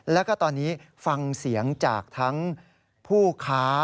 แล้วก็ตอนนี้ฟังเสียงจากทั้งผู้ค้า